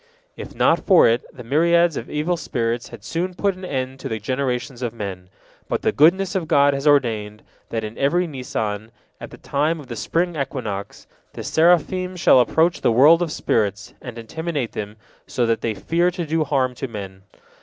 If not for it, the myriads of evil spirits had soon put an end to the generations of men. But the goodness of God has ordained, that in every Nisan, at the time of the spring equinox, the seraphim shall approach the world of spirits, and intimidate them so that they fear to do harm to men.